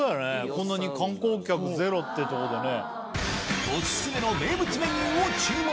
こんなに観光客ゼロってとこでね。